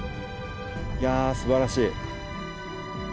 いやすばらしい。